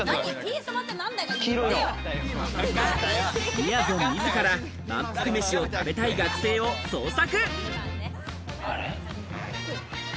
みやぞん自ら、まんぷく飯を食べたい学生を捜索。